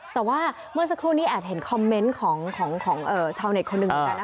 แต่ว่าเมื่อสักครู่นี้แอบเห็นคอมเมนท์ของชาวเน็ตคนหนึ่ง